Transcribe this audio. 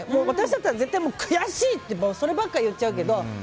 私だったら絶対悔しい！ってそればっか言っちゃうけど。